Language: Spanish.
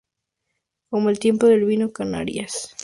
Con el tiempo, el vino de Canarias fue sustituido por jerez.